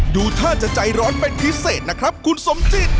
ดูท่าจะใจร้อนเป็นพิเศษนะครับคุณสมจิต